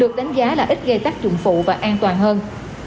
được đánh giá là ít gây tác dụng phụ và an toàn hơn